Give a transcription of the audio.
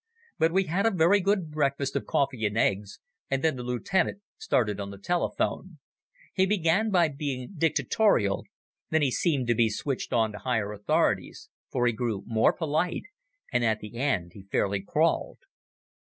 But we had a very good breakfast of coffee and eggs, and then the lieutenant started on the telephone. He began by being dictatorial, then he seemed to be switched on to higher authorities, for he grew more polite, and at the end he fairly crawled.